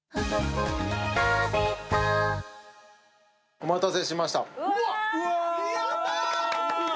お待たせしました。